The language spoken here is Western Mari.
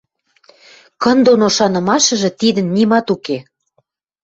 Кын доно шанымашыжы тидӹн нимат уке.